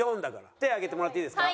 手挙げてもらっていいですか？